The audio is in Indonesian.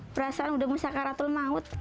perasaan udah musyakaratul maut